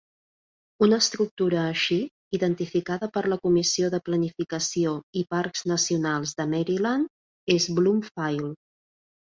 Una estructura així, identificada per la Comissió de Planificació i Parcs Nacionals de Maryland, és Bloomfield.